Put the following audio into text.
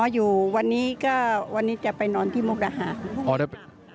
อยู่วันนี้ก็วันนี้จะไปนอนที่มุกดาหาร